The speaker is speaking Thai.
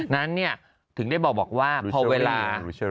นั้นถึงได้บอกว่าพอเวลา